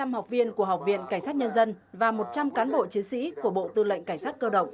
ba trăm linh học viên của học viện cảnh sát nhân dân và một trăm linh cán bộ chiến sĩ của bộ tư lệnh cảnh sát cơ động